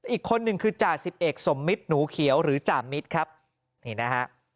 อีกคนหนึ่งคือจ่าสิบเอกสมมิตรหนูเขียวหรือจ่ามิตรครับนี่นะฮะ